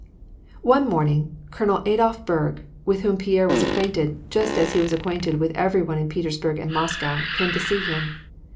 Onb morning. Colonel Adolph Berg, with whom Pierre was acquainted, just as he was acquainted with every one in Peters burg and Moscow, came to see him.